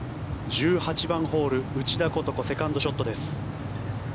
１８番ホール内田ことこセカンドショットです。